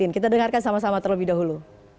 kita dengarkan sama sama terlebih dahulu